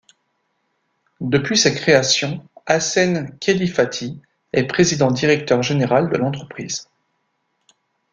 Depuis sa création, Hassen Khelifati est Président Directeur Général de l'Entreprise.